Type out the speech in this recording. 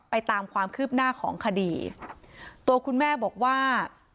ตามความคืบหน้าของคดีตัวคุณแม่บอกว่า